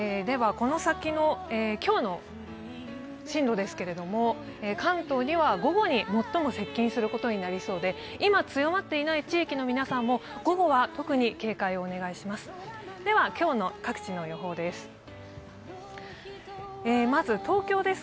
この先の今日の進路ですけれども、関東には午後に最も接近することになりそうで、今強まっていない地域の皆さんも午後は特に警戒をお願いします。